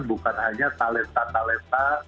bukan hanya taleta taleta